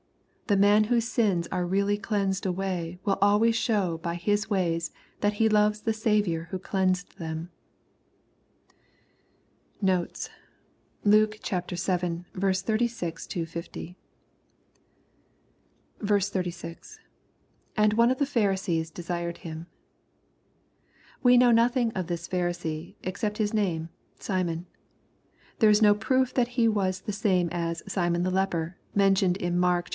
The man whose sins are really cleansed away will always show by his ways that he loves the Saviour who cleansed them. Notes. Luke VIL 36—50. S6,— [And one of the Pharisees desired him.] We know nothing of this Pharisee, except his name, Simon. There is no proof that he was the same as " Simon the leper," mentioned in Mark xiv.